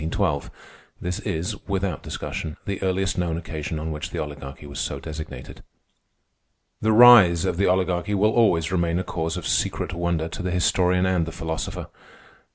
This is, without discussion, the earliest known occasion on which the Oligarchy was so designated. The rise of the Oligarchy will always remain a cause of secret wonder to the historian and the philosopher.